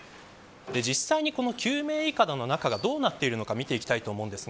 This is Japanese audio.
実際に、この救命いかだの中はどうなっているのか見ていきます。